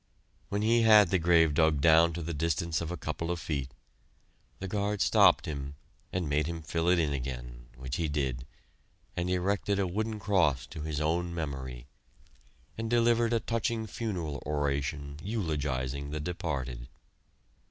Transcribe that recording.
When he had the grave dug down to the distance of a couple of feet, the guard stopped him and made him fill it in again, which he did, and erected a wooden cross to his own memory, and delivered a touching funeral oration eulogizing the departed.